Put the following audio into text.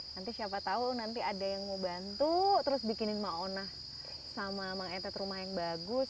nanti siapa tau nanti ada yang mau bantu terus bikinin maona sama mengetet rumah yang bagus